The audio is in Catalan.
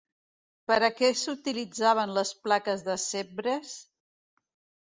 Per a què s'utilitzaven les plaques de Sèvres?